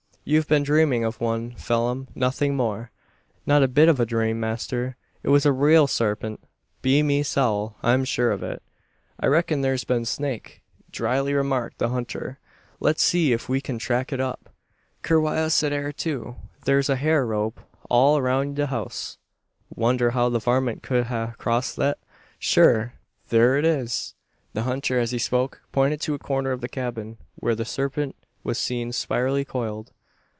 "You've been dreaming of one, Phelim nothing more." "Not a bit of a dhrame, masther: it was a raal sarpint. Be me sowl, I'm shure of it!" "I reck'n thur's been snake," drily remarked the hunter. "Let's see if we kin track it up. Kewrious it air, too. Thur's a hair rope all roun' the house. Wonder how the varmint could ha' crossed thet? Thur thur it is!" The hunter, as he spoke, pointed to a corner of the cabin, where the serpent was seen spirally coiled.